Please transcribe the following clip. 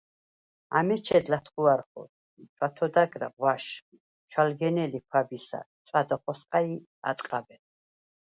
ა̈მეჩედ ლათხუარხო. ჩვათოდაგარა ღვაშ, ჩვალგენელი ქვა̈ბისა, წვა̈დ ახოსყა ი ატყაბე.